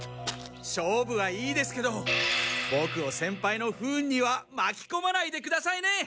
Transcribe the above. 勝負はいいですけどボクを先輩の不運には巻きこまないでくださいね。